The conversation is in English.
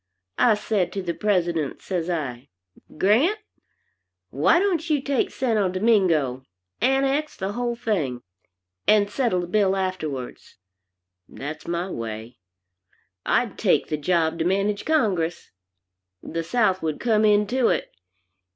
I said to the President, says I, 'Grant, why don't you take Santo Domingo, annex the whole thing, and settle the bill afterwards. That's my way. I'd take the job to manage Congress. The South would come into it.